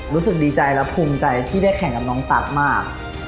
รู้สึกดีใจและภูมิใจที่ได้แข่งกับน้องตั๊กมาก